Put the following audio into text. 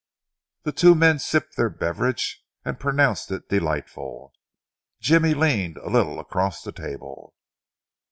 The two men sipped their beverage and pronounced it delightful. Jimmy leaned a little across the table.